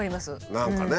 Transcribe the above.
何かね。